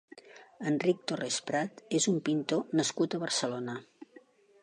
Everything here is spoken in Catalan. Enric Torres-Prat és un pintor nascut a Barcelona.